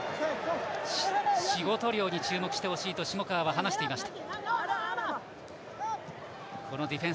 仕事量に注目してほしいと下川は話していました。